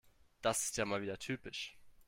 Das ist ja wieder mal typisch.